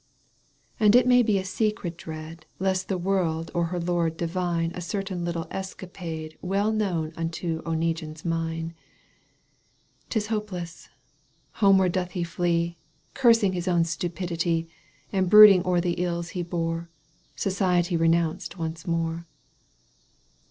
243 XXXIII. And it may be a secret dread Lest the world or her lord divine A certain little escapade Well known nnto Oneguine mine. 'Tis hopeless ! Homeward doth he flee Cursing his own stupidity. And brooding o'er the ills he bore, Society renounced once more.